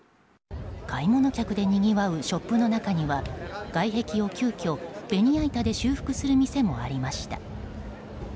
買い物客でにぎわうショップの中には外壁を急きょ、ベニヤ板で修復する店もありました。